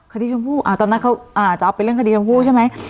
คดีชมพูนิดหน่อยอ่าตอนนั้นเขาอ่าจะเอาไปเรื่องคดีชมพูนิดหน่อยใช่ไหม